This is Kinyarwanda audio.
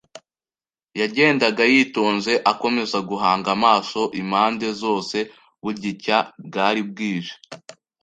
yagendaga yitonze, akomeza guhanga amaso impande zose. Bugicya bwari bwije